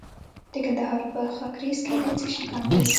د کندهار په خاکریز کې د څه شي کان دی؟